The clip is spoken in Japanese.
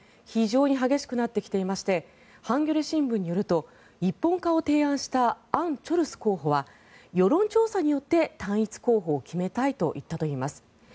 非常に激しくなってきていましてハンギョレ新聞によると一本化を提案したアン・チョルス候補は世論調査によって単一候補を決めたいと言ったといいます。